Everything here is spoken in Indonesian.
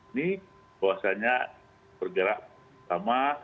ini bahwasannya bergerak lama